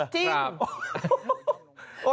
จริง